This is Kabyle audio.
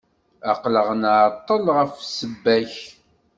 Aql-aɣ nεeṭṭel ɣef ssebba-k.